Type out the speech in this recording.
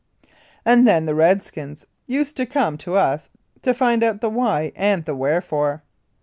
And then the Redskins used to come to us to find out the why and the wherefore.